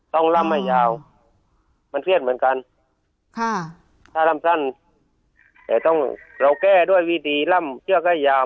ต้องล่ำให้ยาวมันเครียดเหมือนกันค่ะถ้าร่ำสั้นแต่ต้องเราแก้ด้วยวิธีล่ำเชือกให้ยาว